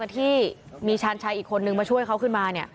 ที่มีชาญชายอีกคนนึงมาช่วยเขาขึ้นมา